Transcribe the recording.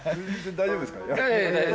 大丈夫です。